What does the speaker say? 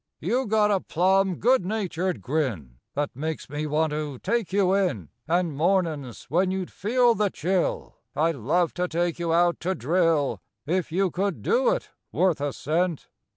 You got a plum good natured grin That makes me want to take you in And mornin's when you'd feel the chill I'd love to take you out to drill If you could do it worth a cent!